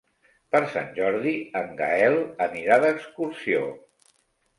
Per Sant Jordi en Gaël anirà d'excursió.